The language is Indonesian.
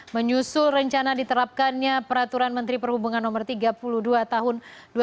menyusul rencana diterapkannya peraturan menteri perhubungan no tiga puluh dua tahun dua ribu dua puluh